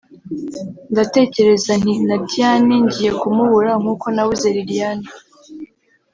ndatekereza nti na Diane ngiye kumubura nk’uko nabuze Liliane